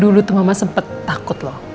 dulu tuh mama sempat takut loh